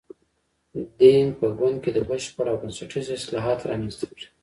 دینګ په ګوند کې بشپړ او بنسټیز اصلاحات رامنځته کړي.